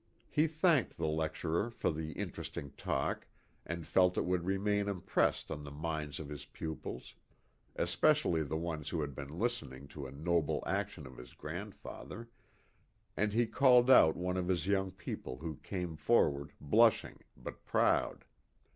He thanked the lecturer for the interesting talk and felt it would remain impressed on the minds of his pupils especially the one who had been listening to a noble action of his grandfather and he called out one of his young people who came forward blushing, but proud.